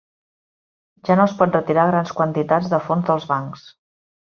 Ja no es pot retirar grans quantitats de fons dels bancs